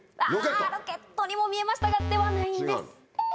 ああ、ロケットにも見えましたが、ではないんです。